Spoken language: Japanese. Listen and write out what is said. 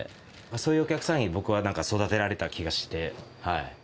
そういうお客さんに僕はなんか育てられた気がして。